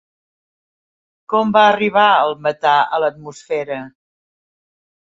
Com va arribar el metà a l'atmosfera?